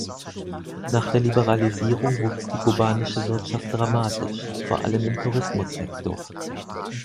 Nach der Liberalisierung wuchs die kubanische Wirtschaft dramatisch, vor allem im Tourismussektor.